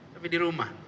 tapi di rumah